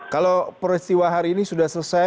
kalau peristiwa hari ini sudah selesai